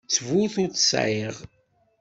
Ttbut ur t-sεiɣ.